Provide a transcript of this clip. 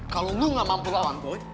kalau lu gak mampu lawan boy